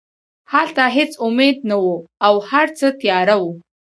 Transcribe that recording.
هلته هېڅ امید نه و او هرڅه تیاره وو